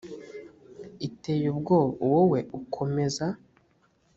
iteye ubwoba, wowe ukomeza